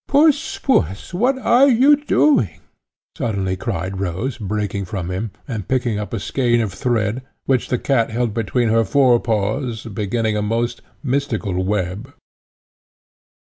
"Puss, puss, what are you doing?" suddenly cried Rose, breaking from him, and picking up a skein of thread, which the cat held between her fore paws, beginning a most mystical web.